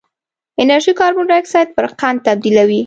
انرژي کاربن ډای اکسایډ پر قند تبدیلوي.